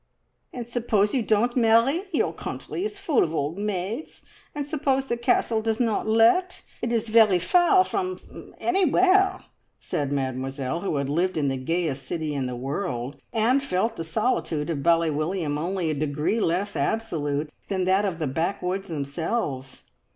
"And suppose you don't marry? Your country is full of old maids. And suppose the Castle does not let? It is very far from anywhere!" said Mademoiselle, who had lived in the gayest city in the world, and felt the solitude of Bally William only a degree less absolute than that of the backwoods themselves.